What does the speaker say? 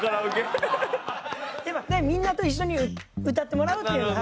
みんなと一緒に歌ってもらうっていうのが。